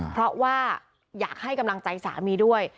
เพราะว่าอยากให้กำลังใจสามีด้วย